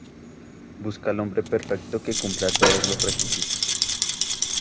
Busca al hombre perfecto que cumpla todos los requisitos.